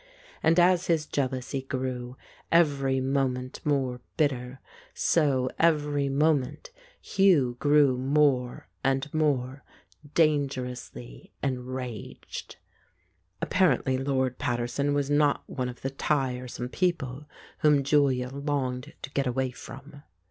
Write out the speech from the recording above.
And as his jealousy grew every moment more bitter, so every moment Hugh grew more and more dangerously enraged. Apparently Lord Paterson was not one of the "tiresome people " whom Julia longed to get away from.